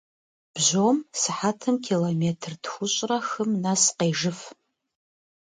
Бжьом сыхьэтым километр тхущӏрэ хым нэс къежыф.